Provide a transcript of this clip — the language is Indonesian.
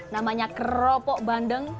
namanya keropok bandeng